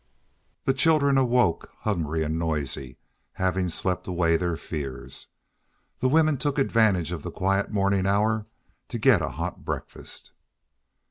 The children awoke hungry and noisy, having slept away their fears. The women took advantage of the quiet morning hour to get a hot breakfast.